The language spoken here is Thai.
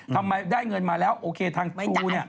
ทำไมได้เงินมาแล้วโอเคทางชู